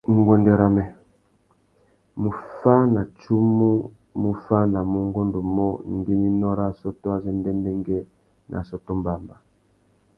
Nguêndê râ mê, muffānatsumu mù fānamú ungôndô umô ngüeninô râ assôtô azê ndêndêngüê nà assôtô mbămbá.